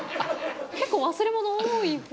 結構忘れ物多い方？